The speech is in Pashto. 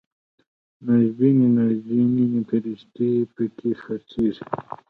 نیازبینې نازنینې فرښتې پکې خرڅیږي